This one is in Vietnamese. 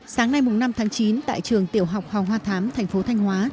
sáng nay năm tháng chín tại trường tiểu học hòa hoa thám thành phố thanh hóa